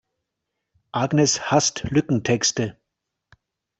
Agnes hasst Lückentexte.